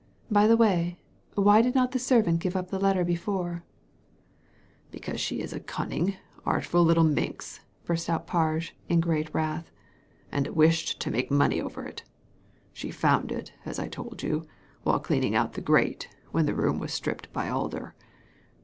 By the way, why did not the servant give up this letter before ?" ''Because she is a cunning, artful little minx!" burst out Parge, in great wrath, "and wished to make money over it. She found it, as I told you, while cleaning out the grate, when the room was stripped by Alder.